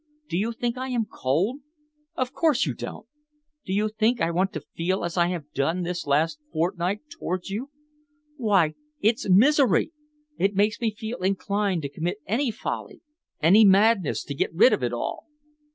Do you think I am cold? Of course you don't! Do you think I want to feel as I have done this last fortnight towards you? Why, it's misery! It makes me feel inclined to commit any folly, any madness, to get rid of it all."